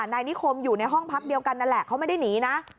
นายนิคมอยู่ในห้องพักเดียวกันนั่นแหละเขาไม่ได้หนีนะ